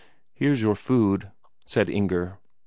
"Here's your food," said Inger.